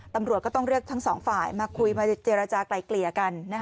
ตำรวจก็ต้องเรียกทั้งสองฝ่ายมาคุยมาเจรจากลายเกลี่ยกัน